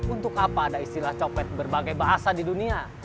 untuk apa ada istilah copet berbagai bahasa di dunia